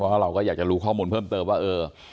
เพราะเราก็อยากจะรู้ข้อมูลเพิ่มเติมว่าเออ